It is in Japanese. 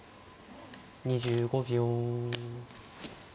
２５秒。